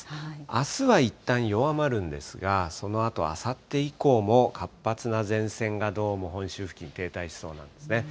あすはいったん弱まるんですが、そのあとあさって以降も、活発な前線がどうも本州付近、停滞しそうなんですね。